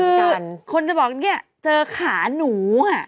คือคนจะบอกนี่เจอขาหนูอ่ะ